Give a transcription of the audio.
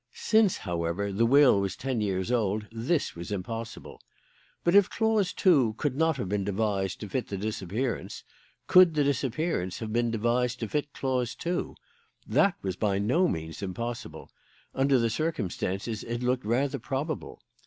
Since, however, the will was ten years old, this was impossible. But if clause two could not have been devised to fit the disappearance, could the disappearance have been devised to fit clause two? That was by no means impossible: under the circumstances it looked rather probable.